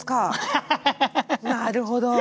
なるほど！